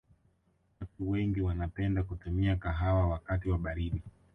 watu wengi wanapenda kutumia kahawa wakati wa baridi